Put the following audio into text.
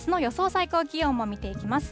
最高気温も見ていきます。